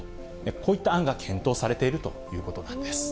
こういった案が検討されているということなんです。